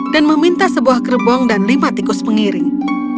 dan meminta sebuah gerbong dan lima tikus pengiring